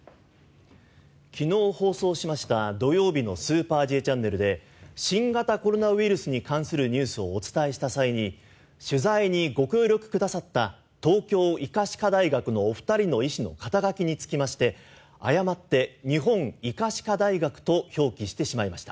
昨日放送しました土曜日の「スーパーＪチャンネル」で新型コロナウイルスに関するニュースをお伝えした際に取材にご協力くださった東京医科歯科大学のお二人の医師の肩書につきまして誤って日本医科歯科大学と表記してしまいました。